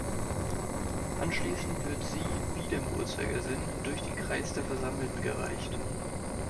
Anschließend wird sie, wieder im Uhrzeigersinn, durch den Kreis der Versammelten gereicht.